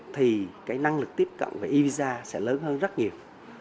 thì cái năng lực tiếp cận về visa sẽ lớn hơn rất nhiều